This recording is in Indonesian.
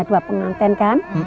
dua pengantin kan